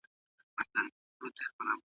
دا غوره ده چی دواړو ته پام وکړو.